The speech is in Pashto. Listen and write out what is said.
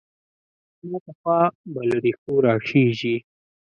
ماته خوا به له رېښو راخېژي.